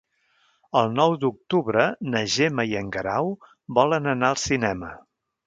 El nou d'octubre na Gemma i en Guerau volen anar al cinema.